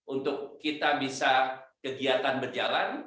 untuk kita bisa kegiatan berjalan